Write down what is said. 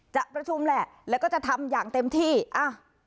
ประชุมแหละแล้วก็จะทำอย่างเต็มที่อ่ะ